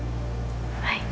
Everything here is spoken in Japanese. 「はい」